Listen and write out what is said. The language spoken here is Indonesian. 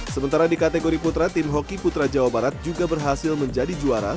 sementara di kategori putra tim hoki putra jawa barat juga berhasil menjadi juara